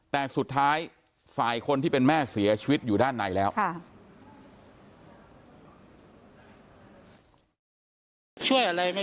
แต่สุดท้ายฝ่ายคนที่เป็นแม่เสียชีวิตอยู่ด้านในแล้ว